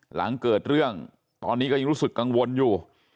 หลังเกิดเรื่องตอนนี้ก็ยังรู้สึกกังวลอยู่